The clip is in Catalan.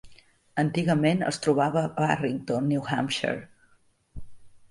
Antigament es trobava a Barrington, New Hampshire.